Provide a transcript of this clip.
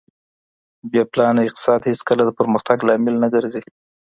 بې پلانه اقتصاد هېڅکله د پرمختګ لامل نه ګرځي.